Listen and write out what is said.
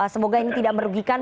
semoga ini tidak merugikan